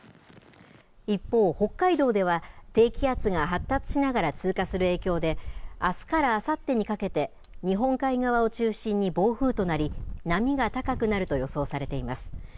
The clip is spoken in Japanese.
一方、北海道では低気圧が発達しながら通過する影響で、あすからあさってにかけて、日本海側を中心に暴風となり、波が高くなると予想されています。